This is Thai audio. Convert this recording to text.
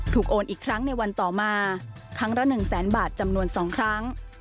โอนอีกครั้งในวันต่อมาครั้งละ๑แสนบาทจำนวน๒ครั้ง